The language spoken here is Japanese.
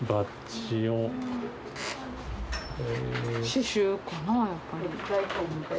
刺しゅうかなやっぱり。